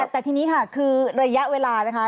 แต่ทีนี้ค่ะคือระยะเวลานะคะ